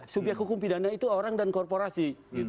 subyek hukum pidana itu orang dan korporasi